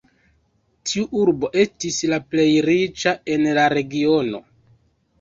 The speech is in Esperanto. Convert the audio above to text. Tiu urbo estis la plej riĉa en la regiono.